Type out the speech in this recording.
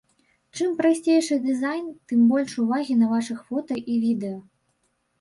Чым прасцейшы дызайн, тым больш увагі на вашых фота і відэа.